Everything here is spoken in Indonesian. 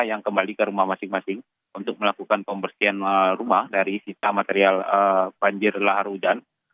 yang kembali ke rumah masing masing untuk melakukan pembersihan rumah dari sisa material banjir lahar hujan